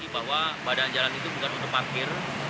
bahwa badan jalan itu bukan untuk parkir